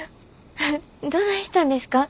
どないしたんですか？